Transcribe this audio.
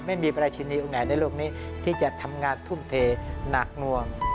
ไม่มีพระราชินีองค์ไหนในโลกนี้ที่จะทำงานทุ่มเทหนักนวง